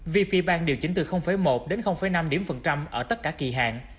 vp bank điều chỉnh từ một đến năm điểm phần trăm ở tất cả kỳ hạn